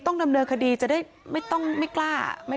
ดำเนินคดีจะได้ไม่ต้องไม่กล้า